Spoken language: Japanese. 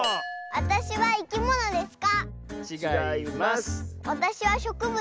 わたしはたべものですか？